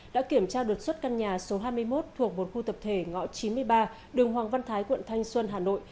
đã kiểm tra đột xuất căn nhà số hai mươi một thuộc một khu tập thể ngõ chín mươi ba đường hoàng văn thái quận thanh xuân hà nội